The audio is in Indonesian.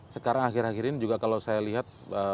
sekarang akhir akhir ini juga kalau saya lihat